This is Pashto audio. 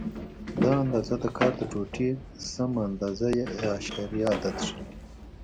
دا اندازه د کار د ټوټې سمه اندازه یا اعشاریه عدد ښیي.